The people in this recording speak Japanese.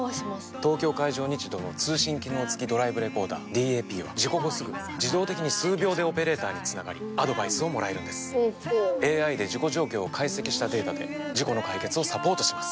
東京海上日動の通信機能付きドライブレコーダーＤＡＰは事故後すぐ自動的に数秒でオペレーターにつながりアドバイスをもらえるんですＡＩで事故状況を解析したデータで事故の解決をサポートします